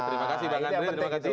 terima kasih bang andri